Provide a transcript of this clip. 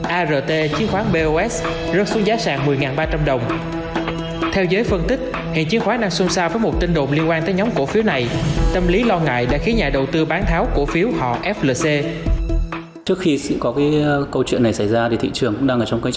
art chiến khoán bos rớt xuống giá sàng một mươi ba trăm linh đồng